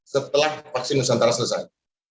setelah vaksin nusantara selesai